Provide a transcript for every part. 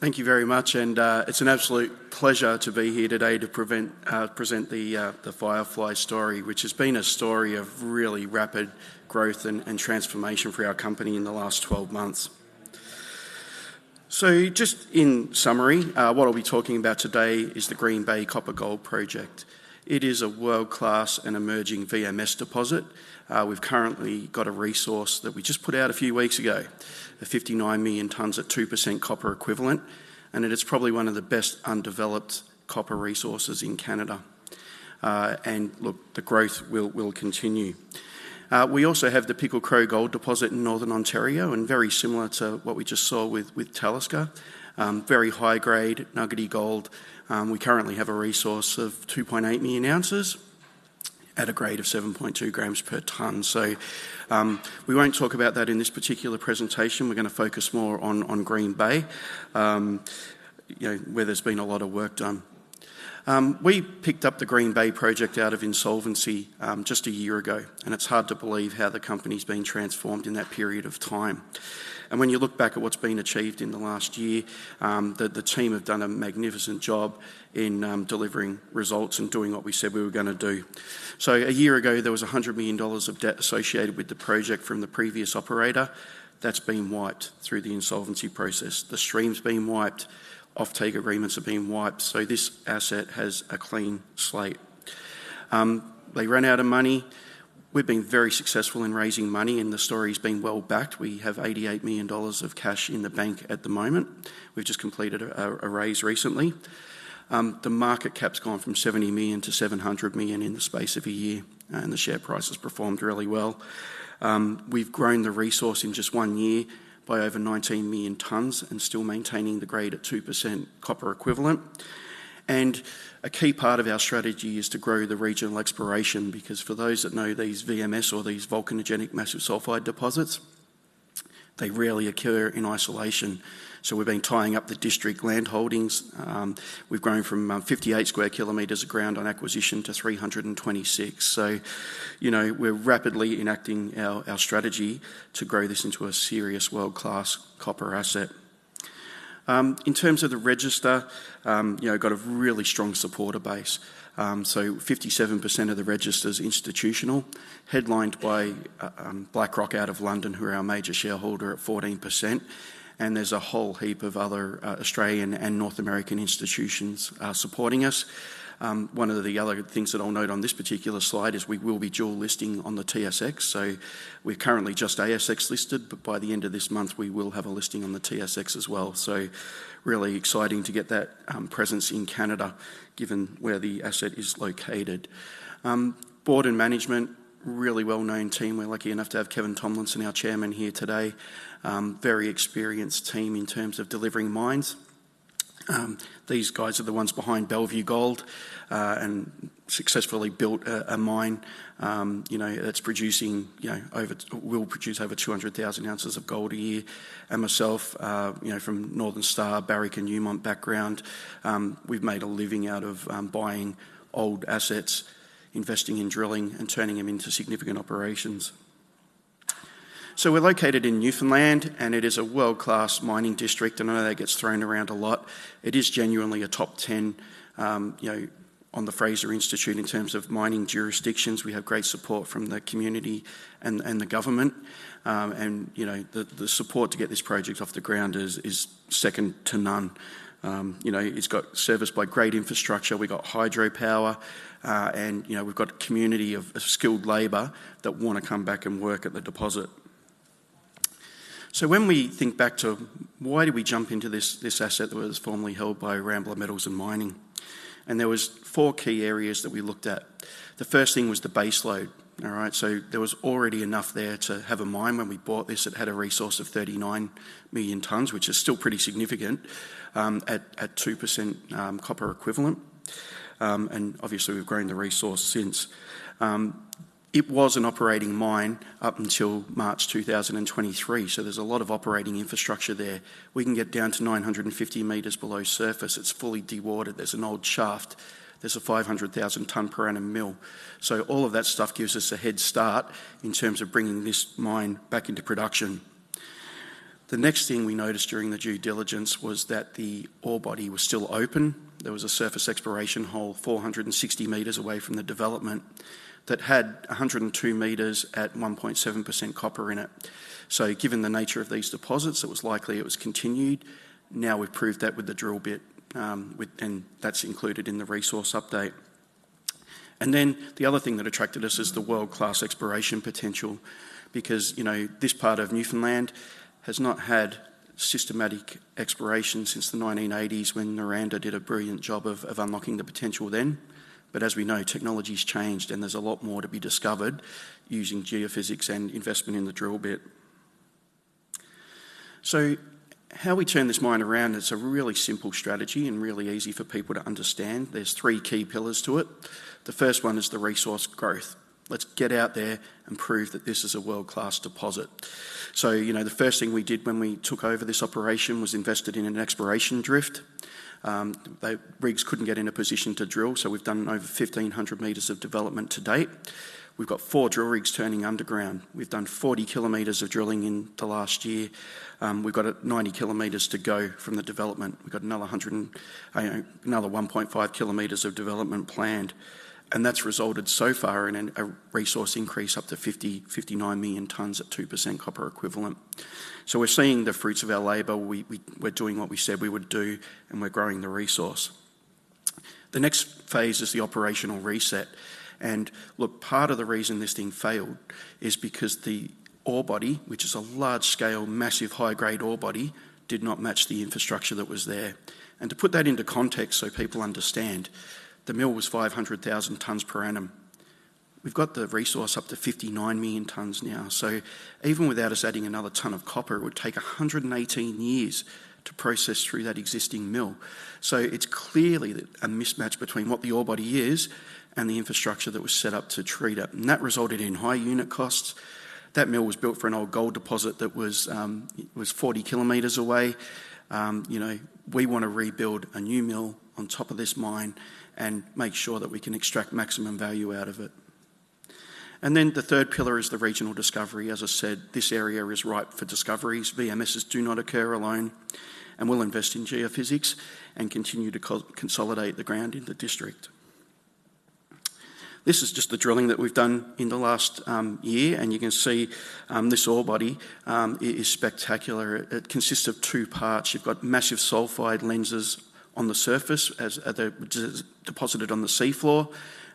Thank you very much, and it's an absolute pleasure to be here today to present the FireFly story, which has been a story of really rapid growth and transformation for our company in the last 12 months, so just in summary, what I'll be talking about today is the Green Bay Copper-Gold Project. It is a world-class and emerging VMS deposit. We've currently got a resource that we just put out a few weeks ago, 59 million tonnes at 2% copper equivalent, and it is probably one of the best undeveloped copper resources in Canada, and look, the growth will continue. We also have the Pickle Crow Gold Project in Northern Ontario, and very similar to what we just saw with Talisker, very high-grade, nuggety gold. We currently have a resource of 2.8 million ounces at a grade of 7.2 grams per tonne. So we won't talk about that in this particular presentation. We're going to focus more on Green Bay, where there's been a lot of work done. We picked up the Green Bay Project out of insolvency just a year ago, and it's hard to believe how the company's been transformed in that period of time. And when you look back at what's been achieved in the last year, the team have done a magnificent job in delivering results and doing what we said we were going to do. So a year ago, there was 100 million dollars of debt associated with the project from the previous operator. That's been wiped through the insolvency process. The stream's been wiped. Off-take agreements have been wiped. So this asset has a clean slate. They ran out of money. We've been very successful in raising money, and the story's been well backed. We have 88 million dollars of cash in the bank at the moment. We've just completed a raise recently. The market cap's gone from 70 million to 700 million in the space of a year, and the share price has performed really well. We've grown the resource in just one year by over 19 million tonnes and still maintaining the grade at 2% copper equivalent, and a key part of our strategy is to grow the regional exploration because for those that know these VMS or these volcanogenic massive sulfide deposits, they rarely occur in isolation, so we've been tying up the district land holdings. We've grown from 58 square kilometers of ground on acquisition to 326, so we're rapidly enacting our strategy to grow this into a serious world-class copper asset. In terms of the register, we've got a really strong supporter base. 57% of the register's institutional, headlined by BlackRock out of London, who are our major shareholder at 14%. And there's a whole heap of other Australian and North American institutions supporting us. One of the other things that I'll note on this particular slide is we will be dual-listing on the TSX. We're currently just ASX-listed, but by the end of this month, we will have a listing on the TSX as well. Really exciting to get that presence in Canada, given where the asset is located. Board and management, really well-known team. We're lucky enough to have Kevin Tomlinson, our chairman, here today. Very experienced team in terms of delivering mines. These guys are the ones behind Bellevue Gold and successfully built a mine that's producing over, will produce over 200,000 ounces of gold a year. And myself, from Northern Star, Barrick, and Newmont background, we've made a living out of buying old assets, investing in drilling, and turning them into significant operations. So we're located in Newfoundland, and it is a world-class mining district, and I know that gets thrown around a lot. It is genuinely a top 10 on the Fraser Institute in terms of mining jurisdictions. We have great support from the community and the government. And the support to get this project off the ground is second to none. It's got serviced by great infrastructure. We've got hydropower, and we've got a community of skilled labour that want to come back and work at the deposit. So when we think back to why did we jump into this asset that was formerly held by Rambler Metals and Mining? And there were four key areas that we looked at. The first thing was the base load, so there was already enough there to have a mine when we bought this. It had a resource of 39 million tonnes, which is still pretty significant at 2% copper equivalent, and obviously, we've grown the resource since. It was an operating mine up until March 2023, so there's a lot of operating infrastructure there. We can get down to 950 meters below surface. It's fully dewatered. There's an old shaft. There's a 500,000-tonne per annum mill, so all of that stuff gives us a head start in terms of bringing this mine back into production. The next thing we noticed during the due diligence was that the ore body was still open. There was a surface exploration hole 460 meters away from the development that had 102 meters at 1.7% copper in it. Given the nature of these deposits, it was likely it was continued. Now we've proved that with the drill bit, and that's included in the resource update. And then the other thing that attracted us is the world-class exploration potential because this part of Newfoundland has not had systematic exploration since the 1980s when Noranda did a brilliant job of unlocking the potential then. But as we know, technology's changed, and there's a lot more to be discovered using geophysics and investment in the drill bit. So how we turn this mine around, it's a really simple strategy and really easy for people to understand. There's three key pillars to it. The first one is the resource growth. Let's get out there and prove that this is a world-class deposit. So the first thing we did when we took over this operation was invested in an exploration drift. The rigs couldn't get in a position to drill, so we've done over 1,500 meters of development to date. We've got four drill rigs turning underground. We've done 40 kilometers of drilling in the last year. We've got 90 kilometers to go from the development. We've got another 1.5 kilometers of development planned. And that's resulted so far in a resource increase up to 59 million tonnes at 2% copper equivalent. So we're seeing the fruits of our labor. We're doing what we said we would do, and we're growing the resource. The next phase is the operational reset. And look, part of the reason this thing failed is because the ore body, which is a large-scale, massive, high-grade ore body, did not match the infrastructure that was there. And to put that into context so people understand, the mill was 500,000 tonnes per annum. We've got the resource up to 59 million tonnes now. So even without us adding another tonne of copper, it would take 118 years to process through that existing mill. So it's clearly a mismatch between what the ore body is and the infrastructure that was set up to treat it. And that resulted in high unit costs. That mill was built for an old gold deposit that was 40 kilometers away. We want to rebuild a new mill on top of this mine and make sure that we can extract maximum value out of it. And then the third pillar is the regional discovery. As I said, this area is ripe for discoveries. VMSs do not occur alone. And we'll invest in geophysics and continue to consolidate the ground in the district. This is just the drilling that we've done in the last year, and you can see this ore body is spectacular. It consists of two parts. You've got massive sulfide lenses on the surface deposited on the seafloor.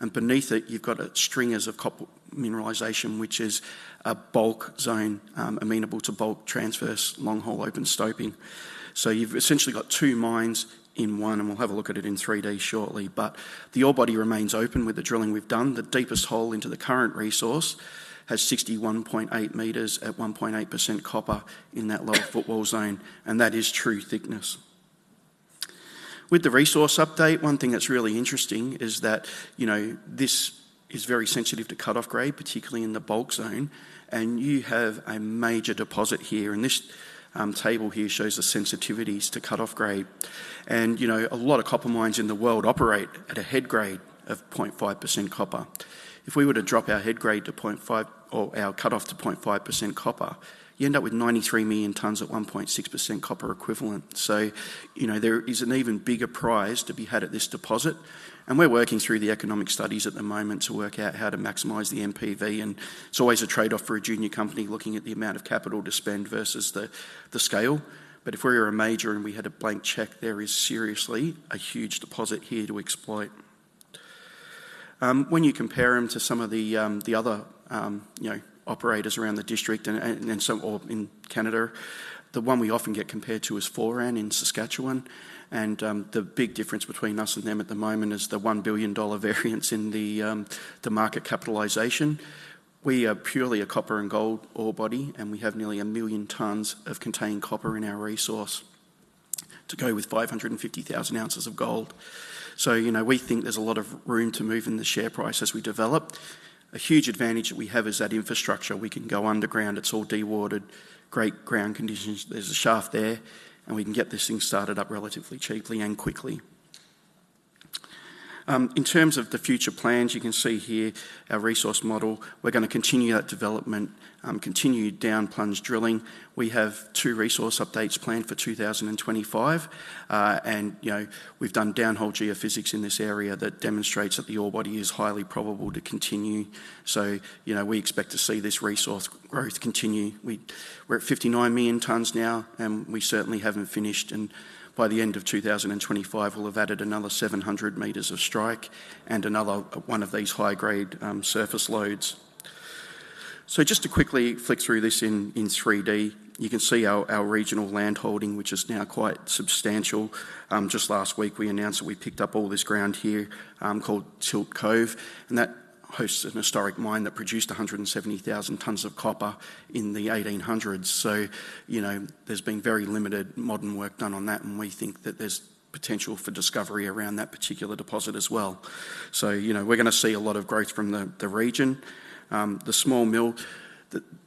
And beneath it, you've got stringers of copper mineralization, which is a bulk zone amenable to bulk transverse long-hole open stoping. So you've essentially got two mines in one, and we'll have a look at it in 3D shortly. But the ore body remains open with the drilling we've done. The deepest hole into the current resource has 61.8 meters at 1.8% copper in that lower footwall zone. And that is true thickness. With the resource update, one thing that's really interesting is that this is very sensitive to cut-off grade, particularly in the bulk zone. And you have a major deposit here. This table here shows the sensitivities to cut-off grade. A lot of copper mines in the world operate at a head grade of 0.5% copper. If we were to drop our head grade to 0.5 or our cut-off to 0.5% copper, you end up with 93 million tonnes at 1.6% copper equivalent. There is an even bigger prize to be had at this deposit. We're working through the economic studies at the moment to work out how to maximize the NPV. It's always a trade-off for a junior company looking at the amount of capital to spend versus the scale. If we were a major and we had a blank check, there is seriously a huge deposit here to exploit. When you compare them to some of the other operators around the district and in Canada, the one we often get compared to is Foran in Saskatchewan. And the big difference between us and them at the moment is the 1 billion dollar variance in the market capitalization. We are purely a copper and gold ore body, and we have nearly a million tonnes of contained copper in our resource to go with 550,000 ounces of gold. So we think there's a lot of room to move in the share price as we develop. A huge advantage that we have is that infrastructure. We can go underground. It's all dewatered. Great ground conditions. There's a shaft there, and we can get this thing started up relatively cheaply and quickly. In terms of the future plans, you can see here our resource model. We're going to continue that development, continue down plunge drilling. We have two resource updates planned for 2025. And we've done downhole geophysics in this area that demonstrates that the ore body is highly probable to continue. So we expect to see this resource growth continue. We're at 59 million tonnes now, and we certainly haven't finished. And by the end of 2025, we'll have added another 700 metres of strike and another one of these high-grade surface lodes. So just to quickly flick through this in 3D, you can see our regional land holding, which is now quite substantial. Just last week, we announced that we picked up all this ground here called Tilt Cove. And that hosts an historic mine that produced 170,000 tonnes of copper in the 1800s. There's been very limited modern work done on that, and we think that there's potential for discovery around that particular deposit as well. We're going to see a lot of growth from the region. The small mill,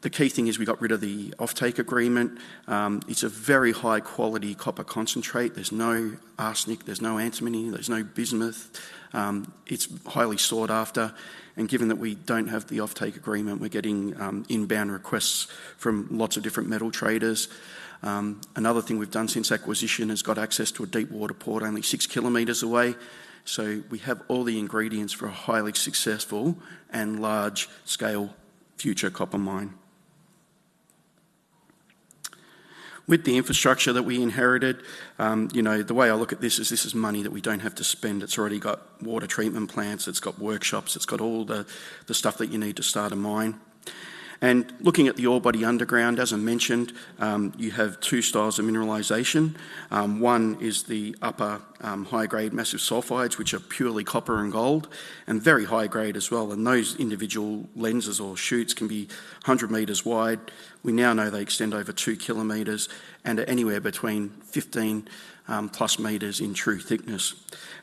the key thing is we got rid of the off-take agreement. It's a very high-quality copper concentrate. There's no arsenic. There's no antimony. There's no bismuth. It's highly sought after. And given that we don't have the off-take agreement, we're getting inbound requests from lots of different metal traders. Another thing we've done since acquisition is got access to a deep water port only six kilometers away. We have all the ingredients for a highly successful and large-scale future copper mine. With the infrastructure that we inherited, the way I look at this is this is money that we don't have to spend. It's already got water treatment plants. It's got workshops. It's got all the stuff that you need to start a mine, and looking at the ore body underground, as I mentioned, you have two styles of mineralization. One is the upper high-grade massive sulfides, which are purely copper and gold and very high-grade as well, and those individual lenses or shoos can be 100 meters wide. We now know they extend over two kilometers and are anywhere between 15 plus meters in true thickness,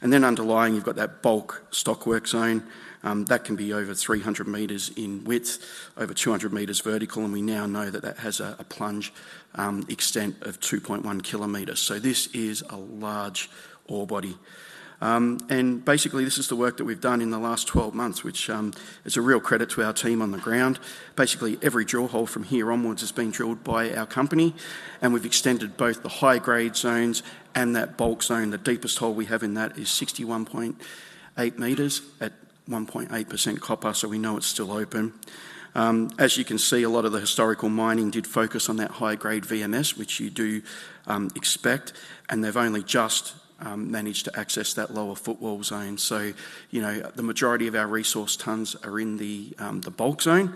and then underlying, you've got that bulk stockwork zone. That can be over 300 meters in width, over 200 meters vertical, and we now know that that has a plunge extent of 2.1 kilometers, so this is a large ore body. And basically, this is the work that we've done in the last 12 months, which is a real credit to our team on the ground. Basically, every drill hole from here onwards has been drilled by our company, and we've extended both the high-grade zones and that bulk zone. The deepest hole we have in that is 61.8 meters at 1.8% copper, so we know it's still open. As you can see, a lot of the historical mining did focus on that high-grade VMS, which you do expect, and they've only just managed to access that lower footwall zone, so the majority of our resource tons are in the bulk zone,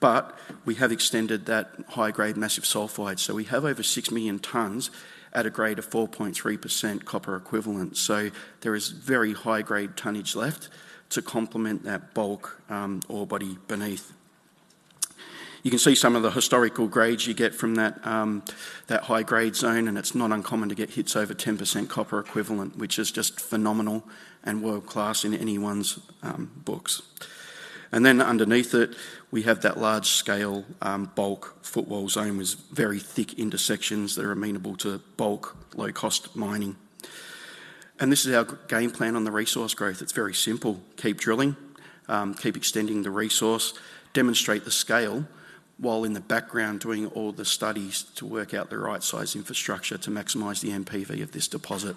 but we have extended that high-grade massive sulfide, so we have over 6 million tons at a grade of 4.3% copper equivalent, so there is very high-grade tonnage left to complement that bulk ore body beneath. You can see some of the historical grades you get from that high-grade zone. It's not uncommon to get hits over 10% copper equivalent, which is just phenomenal and world-class in anyone's books. And then underneath it, we have that large-scale bulk footwall zone with very thick intersections that are amenable to bulk, low-cost mining. And this is our game plan on the resource growth. It's very simple. Keep drilling. Keep extending the resource. Demonstrate the scale while in the background doing all the studies to work out the right-sized infrastructure to maximize the NPV of this deposit.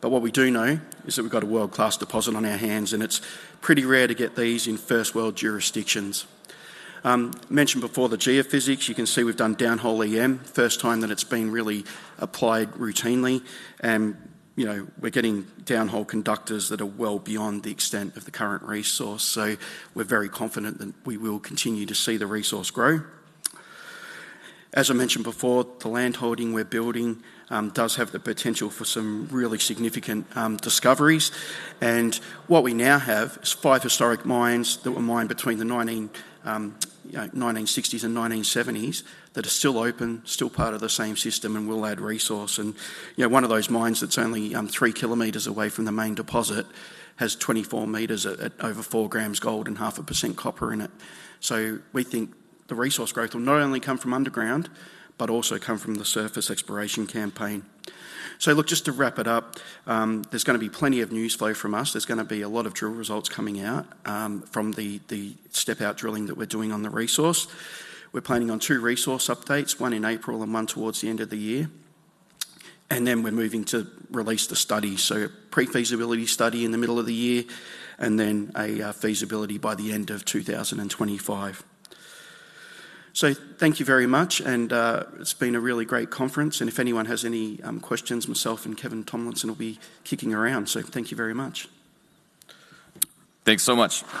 But what we do know is that we've got a world-class deposit on our hands, and it's pretty rare to get these in first-world jurisdictions. Mentioned before the geophysics, you can see we've done downhole EM, first time that it's been really applied routinely. And we're getting downhole conductors that are well beyond the extent of the current resource. So we're very confident that we will continue to see the resource grow. As I mentioned before, the land holding we're building does have the potential for some really significant discoveries. And what we now have is five historic mines that were mined between the 1960s and 1970s that are still open, still part of the same system, and will add resource. And one of those mines that's only three kilometers away from the main deposit has 24 meters at over four grams gold and 0.5% copper in it. So we think the resource growth will not only come from underground, but also come from the surface exploration campaign. So look, just to wrap it up, there's going to be plenty of news flow from us. There's going to be a lot of drill results coming out from the step-out drilling that we're doing on the resource. We're planning on two resource updates, one in April and one towards the end of the year, and then we're moving to release the study, so pre-feasibility study in the middle of the year, and then a feasibility by the end of 2025, so thank you very much, and it's been a really great conference, and if anyone has any questions, myself and Kevin Tomlinson will be kicking around, so thank you very much. Thanks so much.